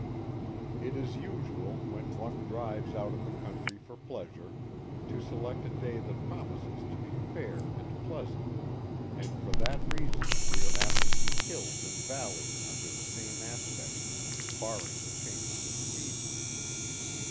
It is usual, when one drives out in the country for pleasure, to select a day that promises to be fair and pleasant, and for that reason we are apt to see hills and valleys under the same aspects, barring the changes of seasons.